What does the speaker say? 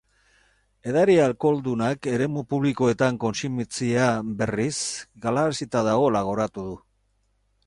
Edari alkoholdunak eremu publikoetan kontsumitzea, berriz, galarazita dagoela gogoratu du.